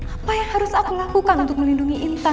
apa yang harus aku lakukan untuk melindungi intan